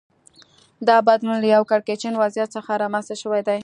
دا بدلون له یوه کړکېچن وضعیت څخه رامنځته شوی دی